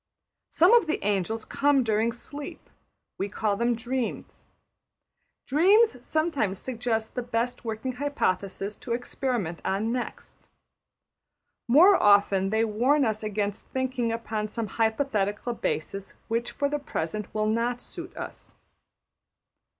Some of the angels come during sleep; we call them dreams. Dreams sometimes suggest the best working hypothesis to experiment on next. More often they warn us against thinking upon some hypothetical basis which for the present will not suit us.